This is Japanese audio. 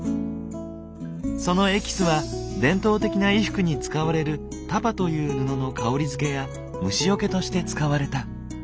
そのエキスは伝統的な衣服に使われる「タパ」という布の香りづけや虫よけとして使われた。